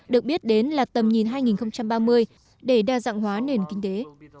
được biết đến là tầm nhìn hai nghìn ba mươi để đa dạng hóa nền kinh tế